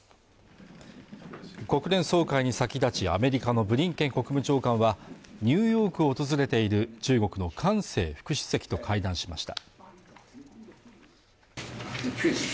国連総会に先立ちアメリカのブリンケン国務長官はニューヨークを訪れている中国の韓正副主席と会談しました